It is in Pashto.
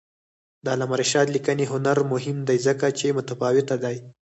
د علامه رشاد لیکنی هنر مهم دی ځکه چې متفاوته دی.